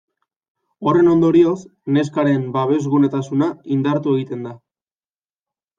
Horren ondorioz, neskaren babesgabetasuna indartu egiten da.